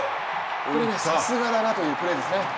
これね、さすがだなというプレーですね。